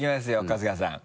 春日さん。